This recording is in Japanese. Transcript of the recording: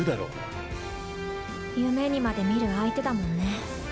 夢にまで見る相手だもんね。